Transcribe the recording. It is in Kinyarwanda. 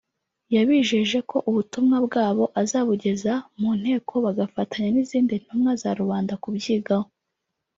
yabijeje ko ubutumwa bwa bo azabugeza mu nteko bagafatanya n’izindi ntumwa za rubanda kubyigaho